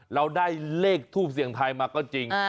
เราได้เลขทูปเสียงทายมาก็จริง